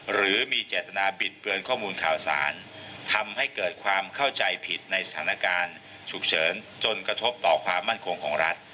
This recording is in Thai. หรือมีเจตนาบิดเบือนข้อมูลข่าวสารทำให้เกิดความเข้าใจผิดในสถานการณ์ฉุกเฉินจนกระทบต่อความมั่นคงของรัฐ